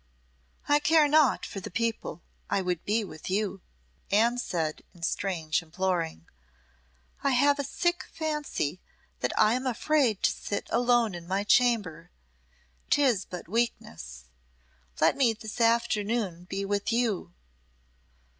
"I care not for the people I would be with you," Anne said, in strange imploring. "I have a sick fancy that I am afraid to sit alone in my chamber. 'Tis but weakness. Let me this afternoon be with you."